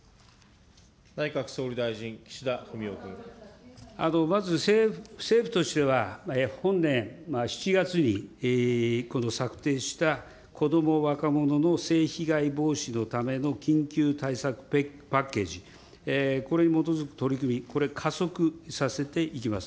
内閣総理大臣、まず、政府としては、本年７月にこの策定した子ども、若者の性被害防止のための緊急対策パッケージ、これに基づく取り組み、これ、加速させていきます。